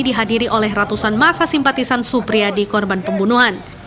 dihadiri oleh ratusan masa simpatisan supriyadi korban pembunuhan